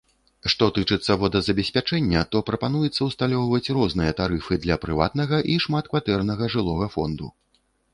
Што тычыцца водазабеспячэння, то прапануецца ўсталёўваць розныя тарыфы для прыватнага і шматкватэрнага жылога фонду.